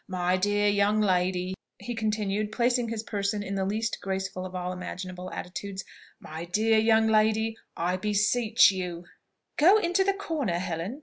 "My dear young lady," he continued, placing his person in the least graceful of all imaginable attitudes, "my dear young lady, I beseech you " "Go into the corner, Helen!"